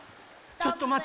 ちょっとまって！